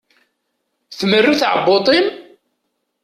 Tmerru tɛebbuḍt-im?